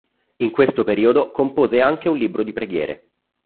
In questo periodo, compose anche un libro di preghiere.